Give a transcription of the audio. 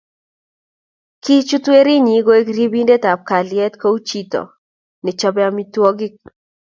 kichut werinyin koek ripindet ab kalyet kou chito ne chopei amitwokik